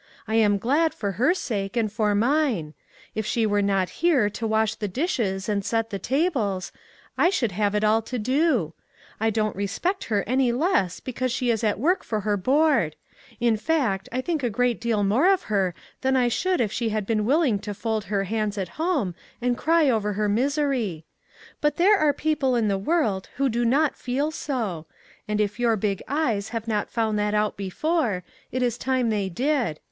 I am glad, for her sake and for mine. If she were not here to wash the 58 THINGS HARD TO EXPLAIN. 59 dishes and set the tables, I should have it all to do. I don't respect her any less be cause she is at work for her board ; in fact I think a great deal more of her than I should if she had been willing to fold her hands at home and cry over her miser}r. But there are people in the world who do not feel so ; and if your big eyes have not found that out before, it is time they did.